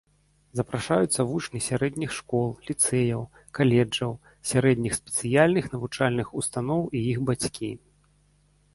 Запрашаюцца вучні сярэдніх школ, ліцэяў, каледжаў, сярэдніх спецыяльных навучальных устаноў і іх бацькі.